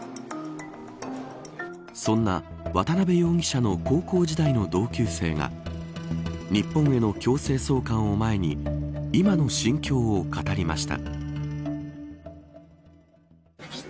そんな渡辺容疑者の高校時代の同級生が日本への強制送還を前に今の心境を語りました。